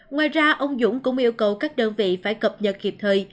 ngoài ra ông dũng cũng yêu cầu các đơn vị phải cập nhật kịp thời